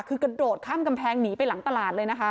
คือกระโดดข้ามกำแพงหนีไปหลังตลาดเลยนะคะ